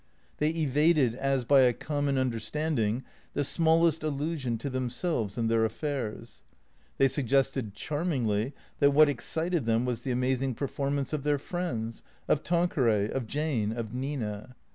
They evaded as by a common understanding the smallest allusion to themselves and their affairs. They suggested charmingly that what excited them was the amazing performance of their friends, of Tanqueray, of Jane, of Nina.